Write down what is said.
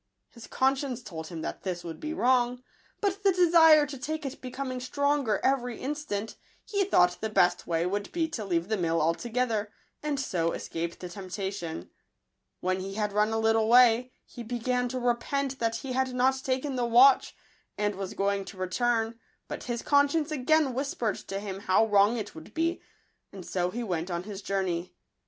His conscience told him that this would be wrong; but the desire to take it becoming stronger every in stant, he thought the best way would be to leave the mill altogether, and so escape the temptation. When he had run a little way, he began to repent that he had not taken the watch, and was going to return, but his con science again whispered to him how wrong it would be ; and so he went on his journey.